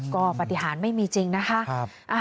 ก็ปฏิหารไม่มีจริงนะคะ